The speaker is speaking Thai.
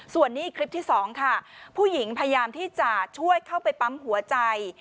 ส่วนนี้คลิปที่สองค่ะผู้หญิงพยายามที่จะช่วยเข้าไปปั๊มหัวใจ